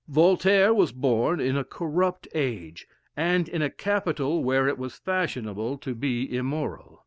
Voltaire was born in a corrupt age, and in a capital where it was fashionable to be immoral.